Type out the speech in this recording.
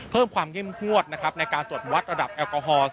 เพิ่มความเข้มงวดนะครับในการตรวจวัดระดับแอลกอฮอล์